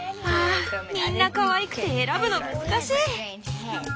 ああみんなかわいくて選ぶの難しい。